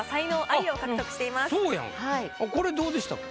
これどうでしたか？